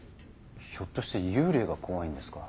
ひょっとして幽霊が怖いんですか？